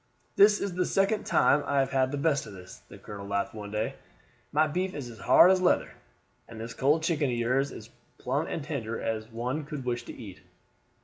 "This is the second time I have had the best of this," the colonel laughed one day; "my beef is as hard as leather, and this cold chicken of yours is as plump and tender as one could wish to eat."